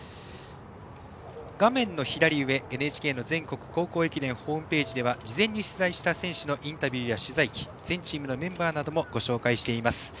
画面の左上、ＮＨＫの全国高校駅伝ホームページでは事前に取材した選手のインタビューや取材記全チームのメンバーなどもご紹介しています。